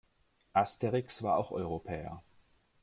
Asterix war auch Europäer.